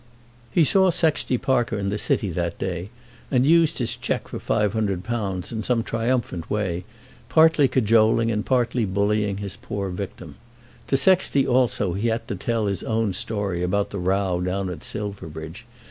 He saw Sexty Parker in the city that day, and used his cheque for £500 in some triumphant way, partly cajoling and partly bullying his poor victim. To Sexty also he had to tell his own story about the row down at Silverbridge.